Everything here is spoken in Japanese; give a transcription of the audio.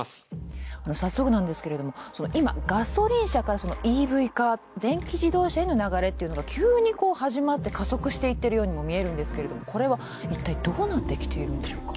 早速なんですけれども今ガソリン車からＥＶ化電気自動車への流れっていうのが急に始まって加速していってるようにも見えるんですけれどもこれはいったいどうなってきているんでしょうか？